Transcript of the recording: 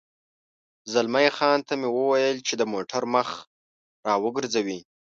زلمی خان ته مې وویل چې د موټر مخ را وګرځوي.